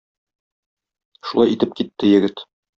Шулай итеп китте егет.